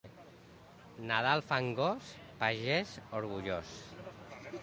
Nadal fangós, pagès orgullós.